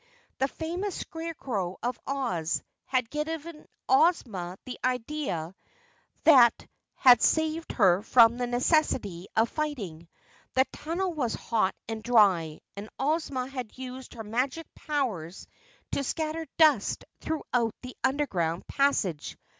The famous Scarecrow of Oz had given Ozma the idea that had saved her from the necessity of fighting. The tunnel was hot and dry, and Ozma had used her magic powers to scatter dust through the underground passage.